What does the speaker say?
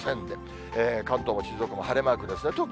で、関東も静岡も晴れマークですね。